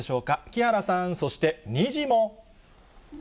木原さん、そしてにじモ。